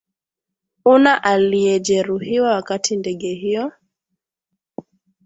una aliyejeruhiwa wakati ndege hiyo